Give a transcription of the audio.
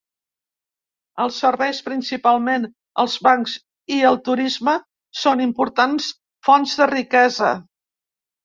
Els serveis, principalment els bancs i el turisme, són importants fonts de riquesa.